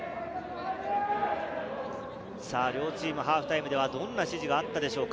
両チーム、ハーフタイムではどんな指示があったでしょうか。